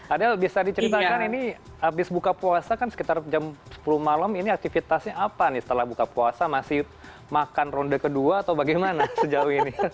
adel bisa diceritakan ini habis buka puasa kan sekitar jam sepuluh malam ini aktivitasnya apa nih setelah buka puasa masih makan ronde kedua atau bagaimana sejauh ini